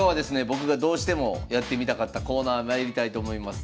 僕がどうしてもやってみたかったコーナーまいりたいと思います。